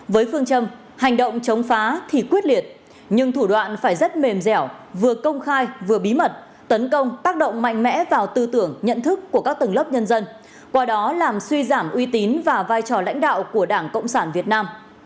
với phương châm hành động chống phá thì quyết liệt nhưng thủ đoạn phải rất mềm dẻo vừa công khai vừa bí mật tấn công tác động mạnh mẽ vào tư tưởng nhận thức của các tầng lớp nhân dân qua đó làm suy giảm uy tín và vai trò lãnh đạo của đảng cộng sản việt nam